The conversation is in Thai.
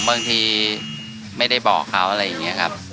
บางทีไม่ได้บอกเขาอะไรอย่างนี้ครับ